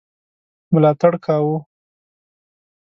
ملاتړ کاوه.